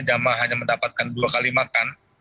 jamaah hanya mendapatkan dua kali makan